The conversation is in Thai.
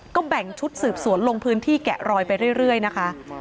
ก็แบ่งชุดสืบสวนลงพื้นที่แกะรอยไปเรื่อยนะคะ